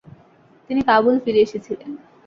তিনি কাবুল ফিরে এসেছিলেন।